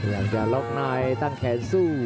อยากจะร็อคนายตั้งแขนสู้